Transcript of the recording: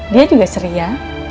dia juga seri ya